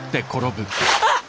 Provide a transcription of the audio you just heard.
あっ。